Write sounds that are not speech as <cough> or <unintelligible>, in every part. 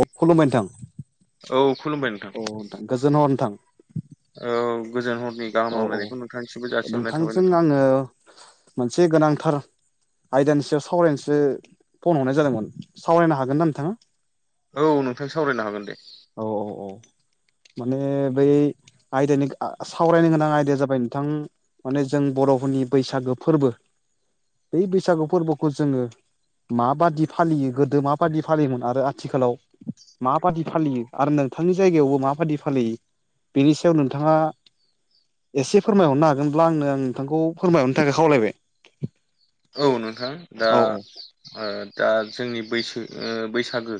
अ, खुलुमबाय नोंथां! औ खुलुमबाय नोंथां। गोजोनहर नोंथां। औ गोजोन हरनि औ गाहामलायनायखौ नोंथांनिसिमबो जासिहरनाय थाबाय नोंथांजों नोंथां। औ मोनसे गोनांथार आयदानि सायाव सावरायनोसो फन हरनाय जादोंमोन सावरायनो हागोन ना नोंथाङा? औ नोंथां सावरायनो हागोन दे! औ औ औ! माने बै आयदानि आ सावरायनो गोनां आयदाया जाबाय नोंथां! माने जों बर'फोरनि बैसागो फोरबो बै बैसागो फोरबोखौ जोङो- माबादि फालियो गोदो माबादि फालियोमोन आरो आथिखालाव माबादि फालियो? आरो नोंथांनि जायगायावबो माबायदि फालियो बेनि सायाव नोंथाङा एसे फोरमायहरनो हागोनब्ला आंनो आं नोंथांखौ फोरमायहरनो थाखाय खावलायबाय? औ नोंथां दा औ औ ओ दा जोंनि बैसो ओ बैसागो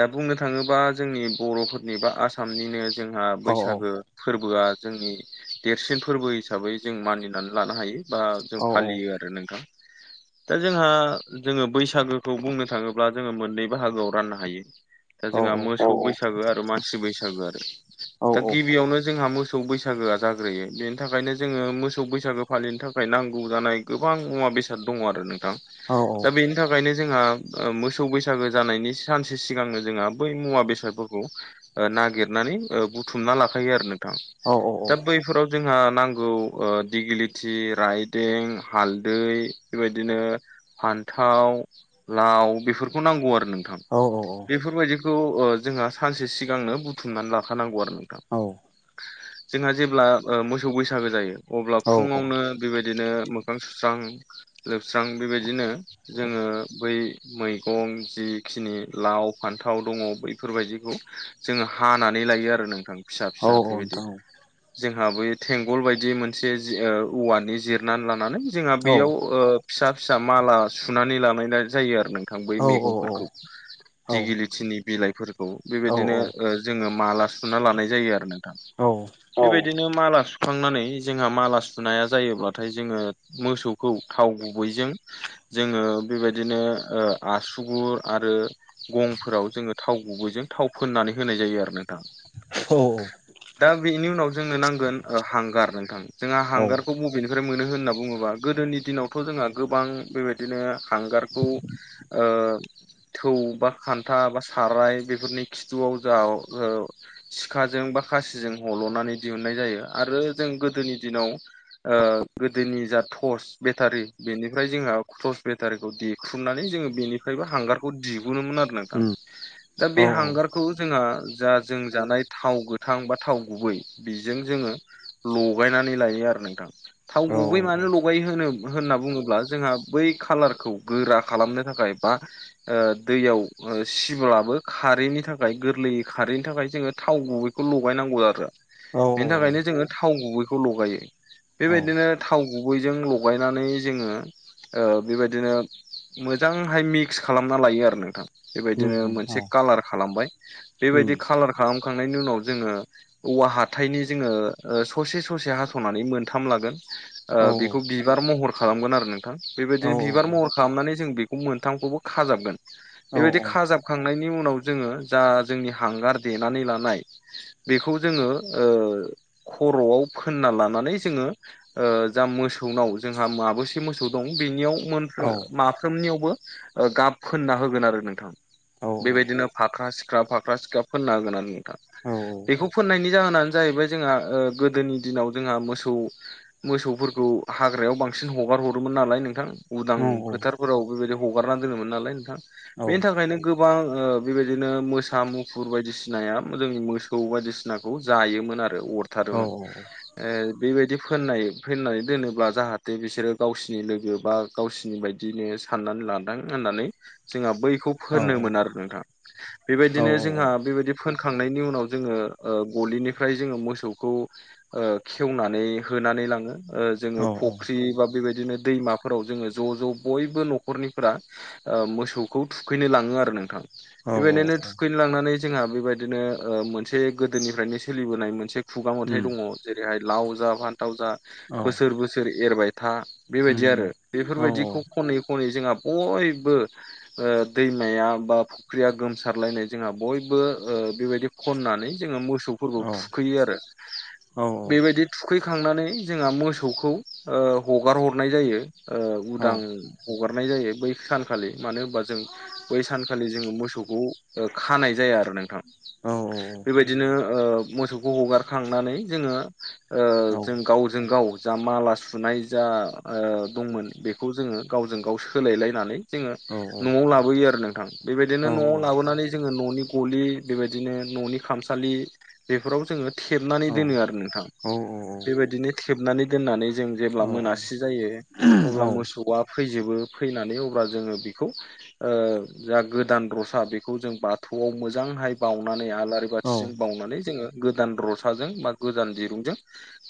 दा बुंनो थाङोबा जोंनि बर'फोरनि बा आसामनिनो जों आ औ बैसागो फोरबोआ जोंनि देरसिन फोरबो हिसाबै जों मानिनानै लानो हायो। बा जों फालियो आरो नोंथां। दा जोंहा जोङो बैसागोखौ बुंनो थाङोब्ला जोङो मोननै बाहागोआव राननो हायो। दा औ जोंहा मोसौ बैसागो आरो मानसि बैसागो आरो औ दा गिबियावनो जोंहा मो सौ बैसागोआ जाग्रोयो बेनि थाखायनो जोङो मोसौ बैसागो फालिनो थाखाय नांगौ जानाय गोबां मुवा बेसाद दङ आरो नोंथां। औ दा बेनि थाखायनो जोंहा ओ मोसौ बैसागो जानायनि सानसे सिगांनो जोंहा बै मुवा बेसादफोरखौ ओ नागिरनानै ओ बुथुमना लाखायो आरो नोंथां। दा बैफोराव जोंहा नांगौ ओ दिगिलिटि राइदों हाल दै बेबायदिनो फान्थाव लाव बेफोर खौ नांगौ आरो नोंथां। बेफोरबायदि खौ ओ जोंहा सानसे सिगांनो बुथुमनानै लाखानांगौ आरो नोंथां। जोंहा जेब्ला मोसौ बैसागो जायो अब्ला औ फुङावनो। बेबायदिनो मोखां सुस्रां लोबस्रां बेबायदिनो जोङो बै। मैगं जिखिनि लाव फान्थाव दङ बैफोरबायदिखौ। जोङो हानानै लायो आरो नोंथां फिसा औ फिसा बेबायदि। नोंथां जोंहा बै थेंगल बायदि मोनसे औवानि जिरनानै लानानै जोंहा औ बेयाव। फिसा फिसा माला सुनानै लानाय जायो आरो नों। थां बै औ मैगंफोरखौ औ दिगिलिटिनि बिलाइफोरखौ औ बेबायदिनो। जोङो माला सुना लानाय जायो आरो नोंथां। औ। बेबायदिनो माला सुखांनानै जोंहा माला सुनाया जायोब्लाथाय जोङो। मोसौखौ थाव गुबैजों। जोङो बेबायदिनो आसुगुर आरो। गंफोराव जोङो थाव गुबैजों थाव फोननानै होनाय जायो आरो नोंथां। औ। दा बेनि उनाव जोंनो नांगोन हांगार नोंथां जोंहा औ हांगारखौ बबेनिफ्राय मोनो होन ब बुङोबा गोदोनि दिनावथ' जोंहा गोबां बेबायदिनो हांगारखौ। थौ बा खान्था बा साराय बेफोरनि खिथुआव जोंहा। सिखाजों बा खासिजों हल'नानै दिहुननाय जायो आरो जों गोदोनि दिनाव। गोदोनि जा टर्स। बेटारि बेनिफ्राय जोंहा टर्स बेटारिखौ देख्रुबनानै जोङो बेनिफ्रायबो हांगार। दिहुननोमोन आरो नोंथां दा बे हांगारखौ जोंहा जा जों जानाय। थाव गोथां बा थाव गुबै बेजों जोङो लगायनानै लायो आरो नोंथां। थाव औ गुबै मानो लगायो होनो। होनना बुङोब्ला जोंहा बै खालारखौ गोरा खालामनो थाखाय बा। दैयाव सिब्लाबो खारैनि थाखाय गोरलैै खारैनि थाखाय जोङो थाव गुबै। बेखौ लगायनांगौ आरो बेनि उम थाखायनो जोङो थाव गुबैखौ लगायो। औ बिदिनो थाव गुबैजों लगायनानै जोङो बेबायदिनो। मोजांहाय मिक्स खालामना लायो आरो नोंथां। उम बेबायदिनो उम मोनसे कालार खालामबाय बेबायदि कालार खालामखांनायनि उनाव जोङो। औवा हाथाइनि जोङो ससे ससे हास'नानै मोनथाम लागोन। औ उम बेखौ बिबार महर खालामगोन आरो नोंथां औ बेबायदिनो बिबार महर खालामनानै जों बेखौ। मोनथाखौबो खाजाबगोन औ बेबायदि खाजाब खांनायनि नि उनाव जोङो जा जोंनि हांगार देनानै लानाय। बेखौ जोङो खर'आव फोननानै लानानै जोङो। जा मोसौनाव जोंहा माबोसे मोसौ दं बेनियाव। औ माफ्रोमनियावबो गाब फोनना होगोन आरो नोंथां औ बेबायदिनो फाख्रा सिख। सिख्रा फाख्रा फोनना होगोन आरो नोंथां औ बेखौ फोननायनि जाहोनानो जाहैबाय। जोंहा गोदोनि दिनाव जोंहा मोसौ। मोसौफोरखौ हाग्रायाव बांसिन हगार हरोमोन नालाय नोंथां। उदां उम औ फोथारफोराव बेबायदि हगारना दोनोमोन नालाय नोंथां बेनि थाखायनो। गोबां बेबायदिनो मोसा मुफुर बायदिसिनाया जोंनि मोसौ बायदिसिना। सिनाखौ जायोमोन आरो अरथारोमोन ओ बेबायदि फोननाय फैनानै दोनोब्ला जाहाथे बिसोरो गावसिनि लोगो बा गावसिनि बायदि बिदिनो साननानै लादों होननानै जोंहा बैखौ फोनो मोन आरो नोंथां बेबायदिनो जोंहा बेबायदि फोनखांनायनि उनाव जोङो ओ गलिनिफ्राय जोङो मोसौखौ ओ खेवनानै होनानै लाङो ओ जोङो फुख्रि बा बेबायदिनो दैमा फोराव जोङो ज' ज' बयबो न'खरनिफोरा ओ मोसौखौ थुखैनो लाङो आरो नोंथां। बेबायदिनो थुखैनो लांनानै जोंहा बेबायदिनो ओ मोनसे गोदोनिफ्रायनो सोलिबोनाय मोनसे खुगा मेथाइ दङ जेरैहाय लाव जा फान्थाव जा बोसोर बोसोर एरबाय था। उम बेबायदि आरो औ बेफोरबायदिखौ खनै खनै जोंहा बयबो ओ दैमाया बा फुख्रिया गोमसारलायनाय जोंहा बयबो ओ बेबायदि खननानै जोङो मोसौ औ थुखैयो आरो औ बेबायदि थुखै फखांनानै जोंहा मोसौखौ ओ हगार हरनाय जायो ओ उदां हगारनाय जायो बै सानखालि मानो होनबा जों बै सानखालि जोङो मोसौखौ ओ खानाय जाया आरो नोंथां। बेबायदिनो ओ मोसौखौ हगारखांनानै जोङो ओ जों गावजों गाव जा माला सुनाय जा ओ दंमोन बेखौ जोङो गावजों गाव सोलायलायनानै जोङो न'आव लाबोयो आरो नोंथां बेबायदिनो न'आव लाबोनानै जोङो न'नि गलि बेबायदिनो न'नि खामसालि बेफोराव जोङो थेबनानै दोनो आरो नोंथां। बेबायदिनो थेबनानै दोननानै जों जेब्ला मोनासि जायो अब्ला मोसौआ फैजोबो फैनानै अब्ला जोङो बेखौ ओ जा गोदान रसा बेखौ जों बाथौआव मोजांहाय बावनानै आरो आलारि औ बाथिजों बावनानै जोङो गोदान रसाजों बा गोदान दिरुंजों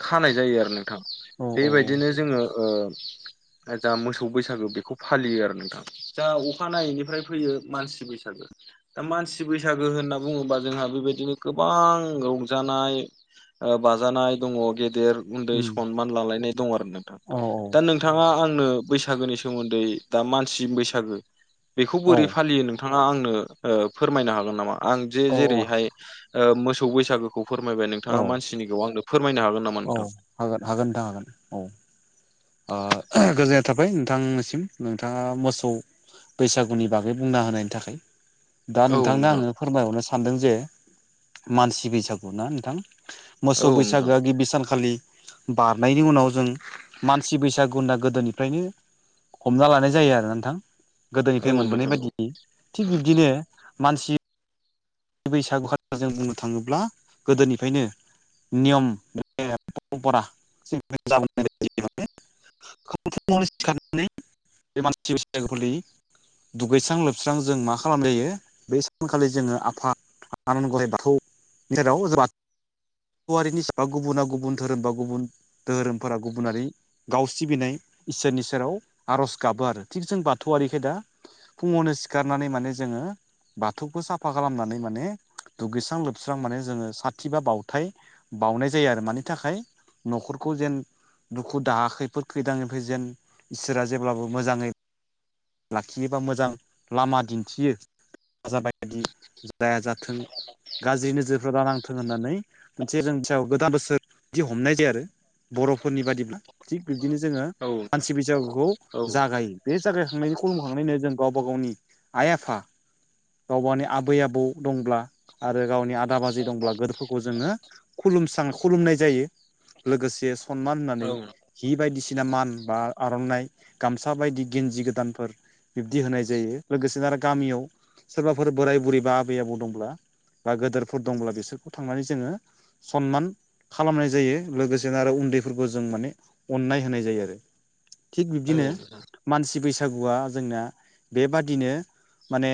खानाय जायो आरो नों थां औ बेबायदिनो औ जोङो ओ जा मोसौ बैसागो बेखौ फालियो आरो नोंथां। दा अखानायैनिफ्राय फैयो मानसि बैसागो। दा मानसि बैसागो होनना बुङोबा जोंहा बेबायदिनो गोबां रंजानाय ओ बाजानाय दङ गेदेर उम उन्दै सनमान लालायनाय दङ आरो नोंथां औ दा नों नोंथाङा आंनो बैसागोनि सोमोन्दै दा मानसि बैसागो बेखौ बोरै औ फालियो नोंथाङा आंनो ओ फोरमायनो हागोन नामा आं जे औ जेरैहाय ओ मोसौ बैसागु खौ फोरमायबाय औ नोंथाङा मानसिनिखौ आंनो फोरमायनो हागोन नामा? औ नोंथां हागोन हागोन नोंथां हागोन औ। ओ गोजोननाय थाबाय नोंथांनिसिम नोंथाङा मोसौ बैसागुनि बागै बुंना होनायनि थाखाय। दा औ नोंथांनो नोंथां आङो फोरमायहरनो सानदों जे मानसि बैसागु ना नोंथां। मोसौ औ बैसागोआ गिबि सानखालि बारनायनि उनाव जों मानसि बैसागु होनना गोदोनिफ्रायनो हमना लानाय जायो आरो ना नोंथां। गोदोनिफ्राय मोनबोनाय नोंथां बायदि थिग बिब्दिनो मानसि बैसागु जों बुंनो थाङोब्ला गोदोनिफ्रायनो नियम <unintelligible> <unintelligible> दुगैस्रां लोबस्रां जों मा खालामजायो बे सानखालि जोङो आफा आनान गराइ बाथौनि गेराव जों बाथौ <unintelligible> गुबुना गुबुन धोरोम बा गुबुन दोहोरोमफोरा गुबुनारि गाव सिबिनाय इसोरनि सेराव आर'ज गाबो आरो थिग जों बाथौआरिखाय दा फुङावनो सिखारनानै माने जोङो बाथौखौ साफा खालामनानै माने माने दुगैस्रां लोबस्रां माने जोङो साथि बा बावथाय बावनाय जायो आरो मानि थाखाय न'खरखौ जेन दुखु दाहा खैफोद खैदांनिफ्राय जेन इसोरा जेब्लाबो मोजाङै लाखियोबा मोजां लामा दिन्थियो। जाबाय इदि जाया जाथों गाज्रि नोजोरफोरा दानांथों होननानै मोनसे जों थियाव गोदान बोसोर बिदि हमनाय जायो आरो। बर'फोरनि बादिब्ला थिग बिब्दिनो जोङो औ नोंथां मानसि बैसागुखौ औ जागायो बे जागाय थांनायनि खुलुमखांनायनि जों गावबा गावनि आइ आफा गावबानि आबै आबौ दंब्ला आरो गावनि आदा बाजै दंब्ला गो खौ जोङो खुलुमसां खुलुमनाय जायो लोगोसे सनमान होनानै हि बायदिसिना मान बा आर'नाइ गामसा बायदि गेन्जि गोदानफोर बिब्दि होनाय जायो लोगोसेनो आरो गामियाव सोरबाफोर बोराय बुरै बा आबै आबौ दंब्ला बा गोदोरफोर दंब्ला बिसोरखौ थांनानै जोङो सनमान खालामनाय जायो लोगोसेनो आरो उन्दैफोरखौ जों माने अननाय होनाय जायो आरो। थिग औ नोंथां बिब्दिनो मानसि बैसागुआ जोंना बेबादिनो माने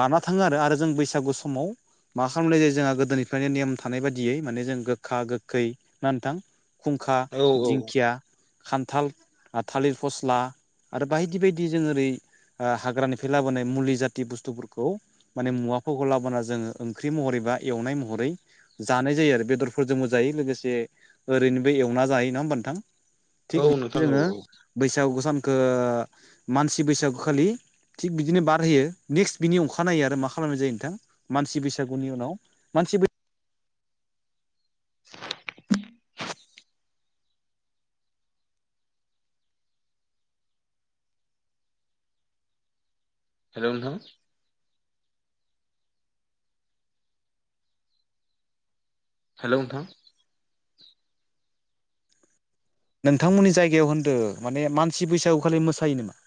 बाना थाङो आरो आरो जों बैसागु समाव मा खालामनाय जायो जोंहा गोदोनिफ्रायनो नेम थानाय बायदियै माने जों गोखा गोखै ना नोथां खुंखा औ औ दिंखिया खान्थाल आ थालिर फस्ला आरो बायदि बायदि जों ओरै ओ हाग्रानिफ्राय लाबोनाय मुलि जाति बुस्थुफोरखौ माने मुवाफोरखौ लाबोना जोङो ओंख्रि महरै बा एवनाय महरै जानाय जायो आरो बेदरफोरजोंबो जायो लोगोसे ओरैनोबो एवना जायो नङा होमबा नोंथां? औ थिग बिदिनो नोंथां औ जोङो औ बैसागु सानखो ओ मानसि बैसागुखालि थिग बिदिनो बारहोयो निक्स्ट बिनि अखानायो आरो मा खालामनाय जायो नोंथां मानसि बैसागुनि उनाव मानसि बै <inaudible> हेल' नोंथां। हेल' नोंथां। नोंथांमोननि जायगायाव होन्दो माने मानसि बैसागुखालि मोसायो नोमा?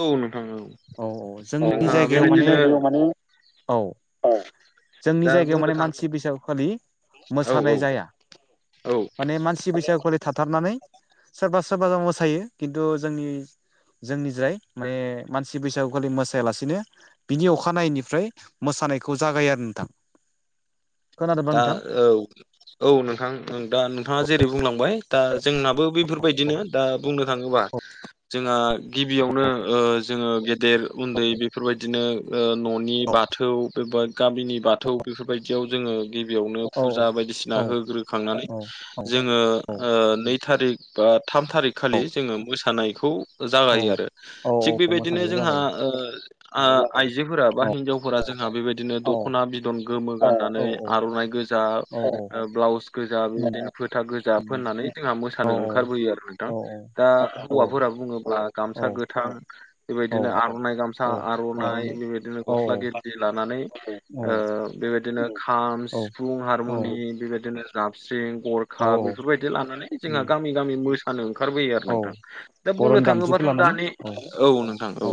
औ नोंथां औ जोंनि जोंहा जायगायाव माने बेबायदिनो औ। जोंनि दा जायगायाव बुंनो माने थाङो मानसि बैसागुखालि औ मोसानाय औ जाया। औ माने मानसि बैसागुखालि थाथारनानै सोरबा सोरबा मोसायो किन्तु जोंनि जोंनिजाय माने मानसि बैसागुखालि मोसायालासेनो बिनि अखानायैनिफ्राय मोसानायखौ जागायो आरो नोंथां। खोनादोंबा दा नोंथां औ औ नोंथां दा नोंथाङा जेरै बुंलांबाय दा जोंनाबो बेफोरबायदिनो दा बुंनो थाङोबा जोंहा गिबियावनो ओ जोङो गेदेर उन्दै बेफोरबायदिनो ओ न'नि औ बाथौ बे बा गामिनि बाथौ बेफोरबायदियाव जोङो बेवनो औ फुजा बायदिसिना औ होग्रोखांनानै औ औ जोङो ओ नै थारिख बा थाम औ थारिखखालि जोङो मोसानायखौ औ जागायो आरो औ थिग बेबायदिनो मोसानायखौ जोंहा जागायो ओ आ आइजोफोरा बा औ हिनजाव फोरा जोंहा बेबायदिनो औ दख'ना बिदन गोमो औ गाननानै आर'नाइ गोजा औ ओ औ ब्लाउस गोजा उम बेबायदिनो फोथा गोजा उम फोननानै जोंहा औ मोसानो ओंखारबोयो आरो नोंथां औ दा औ हौवाफोरा बुङोब्ला औ गामसा गोथां औ बेबायदिनो आर'नाइ गामसा औ आर'नाइ बेबायदिनो औ गस्ला गेनजि लानानै औ ओ बेबायदिनो खाम औ सिफुं हारमुनि बेबायदिनो जाबस्रिं गर औ खा बेफोरबायदि लानानै जोंहा उम गामि गामि मोसानो ओंखारबोयो आरो औ नोंथां। दा बुंनो बर'नि दामजुखौ थाङोबाथ' लानानै दानि औ औ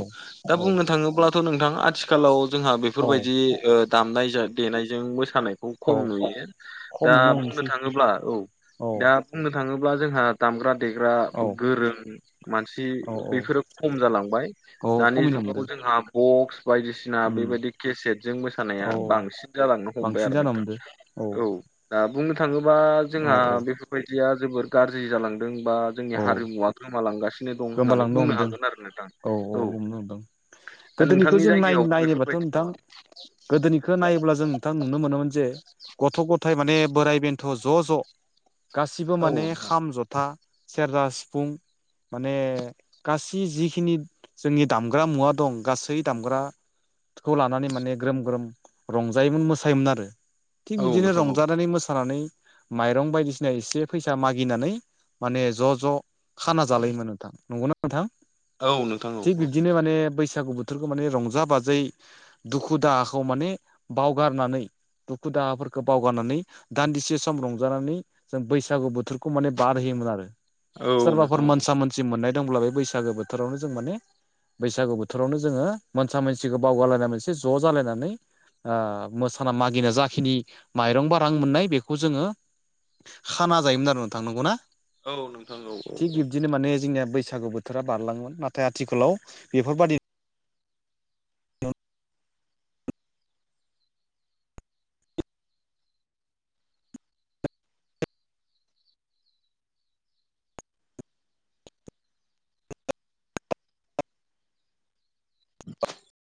दा औ बुंनो थाङोब्ला थ' नोंथां आथिखालाव जोंहा औ बेफोरबायदि ओ दामनाय देनायजों मोसानाय खौ औ खम नुयो खम दा नुनो बुंनो मोनसै थाङोब्ला औ औ दा बुंनो थाङोब्ला जोंहा दामग्रा देग्रा औ गोरों मानसि औ औ बेफोरो खम जालांबाय औ दानि खमायनो जुगावबो हमदों जोंहा बक्स बायदिसिना उम बेबायदि केसेटजों मोसानाया औ बांसिन जालांनो हमबाय बांसिन आरो जानो नोंथां हमदो औ। दा बुंनो थाङोबा औ जोंहा औ बेफोरबायदिया जोबोर गाज्रि जालांदों बा जोंनि औ हारिमुवा गोमालांगासिनो दं होननानै गोमालांनो बुंनो हमदों हागोन आरो नोंथां औ। दा गोदोनिखौ नोंथांनि जों नाय जायगायाव नायनोबाथ' बेफोरबायदि नोंथां नामा? गोदोनिखौ नायोब्ला जों नोंथां नुनो मोनोमोन जे गथ' गथाय माने बोराय बेन्थ' ज' ज' गासिबो माने खाम जथा सेरजा सिफुं माने गासै जिखिनि जोंनि दामग्रा मुवा दं गासै दामग्राखौ लानानै माने ग्रोम ग्रोम रंजायोमोन मोसायोमोन आरो थिग औ बिदिनो नोंथां औ नोंथां औ रंजानानै मोसानानै माइरं बायदिसिना एसे फैसा मागिनानै माने ज' ज' खाना जालायोमोन नोंथां। नंगौना नोंथां? औ नोंथां थिक औ बिदिनो बैसागु बो थोरखौ माने रंजा बाजायै दुखु दाहाखौ माने बावगारनानै दुखु दाहाफोरखौ बावगारनानै दान्दिसे सम रंजानानै जों बैसागु बोथोरखौ माने बारहोयोमोन आरो। औ नोंथां सोरबाफोर औ मोनसा मोनसि मोननाय दंब्ला बे बैसागो बोथोरावनो जों माने बैसागु बोथोरावनो जोङो मोनसा मोनसिखौ बावगारलायनानै मोनसे ज' जालायनानै ओ मोसाना मागिना जाखिनि माइरं बा रां मोननाय बेखौ जोङो खाना जायोमोन आरो नोंथां। नंगौना? औ नोंथां औ औ औ। बिदिनो माने जोंनिया बैसागु बोथोरा बारलाङोमोन। नाथाय आथिखालाव बेफोरबायदि <inaudible>